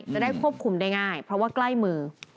จะได้ควบคุมได้ง่ายเพราะว่าใกล้มือ